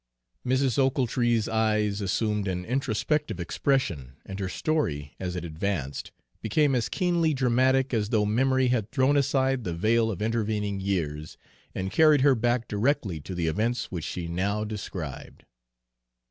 Mrs. Ochiltree's eyes assumed an introspective expression, and her story, as it advanced, became as keenly dramatic as though memory had thrown aside the veil of intervening years and carried her back directly to the events which she now described.